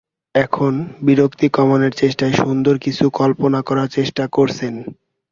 এখন বিরক্তি কমানের চেষ্টায় সুন্দর কিছু কল্পনা করার চেষ্টা করছেন।